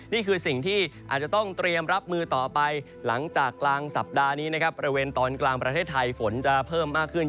นี่คือสิ่งที่อาจจะต้องเตรียมรับมือต่อไปหลังจากกลางสัปดาห์นี้นะครับบริเวณตอนกลางประเทศไทยฝนจะเพิ่มมากขึ้น